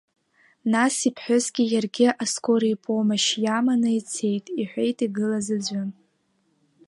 Нас иԥҳәысгьы иаргьы аскори помошьч иаманы ицеит, — иҳәеит игылаз аӡәы.